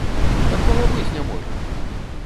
Такога быць не можа!